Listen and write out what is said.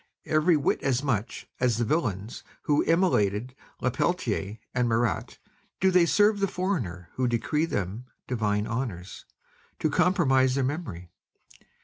Every whit as much as the villains who immolated Le Peltier and Marat, do they serve the foreigner who decree them divine honours, to compromise their memory.